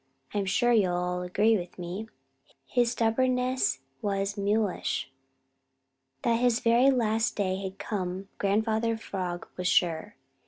I'm sure you'll all agree with me His stubbornness was mulish. That his very last day had come Grandfather Frog was sure.